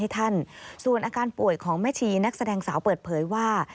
บ้านป่วยของแม่ชีนักแสดงสาวเปิดเผยว่า